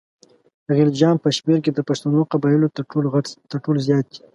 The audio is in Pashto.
غلجیان په شمېر کې د پښتنو قبایلو تر ټولو زیات دي.